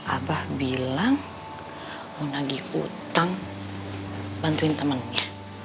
abah bilang mau nagih utang bantuin temennya